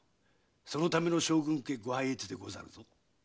そのための将軍家御拝謁ですぞ。